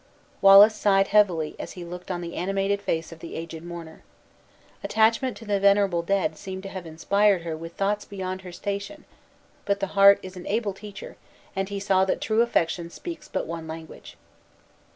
Wallace sighed heavily as he looked on the animated face of the aged mourner. Attachment to the venerable dead seemed to have inspired her with thoughts beyond her station; but the heart is an able teacher, and he saw that true affection speaks but one language.